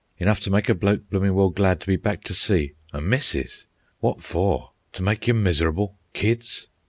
Enough t' make a bloke bloomin' well glad to be back t' sea. A missus! Wot for? T' make you mis'rable? Kids?